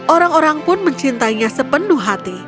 orang orang pun mencintainya sepenuh hati